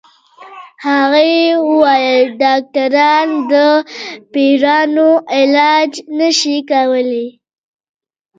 هغې ويل ډاکټران د پيريانو علاج نشي کولی